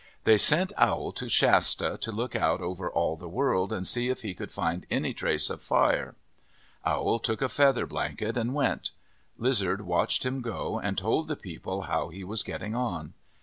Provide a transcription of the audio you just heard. They sent Owl to Shasta to look out all over the world and see if he could find any trace of fire. Owl took a feather blanket and went. Lizard watched him go and told the people how he was getting on.